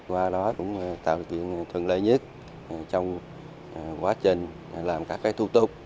qua đó cũng tạo điều kiện thuận lợi nhất trong quá trình làm các thủ tục